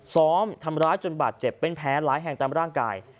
ซ้อมทำร้ายจนบาดเจ็บเป็นแผลหลายแห่งตามร่างกาย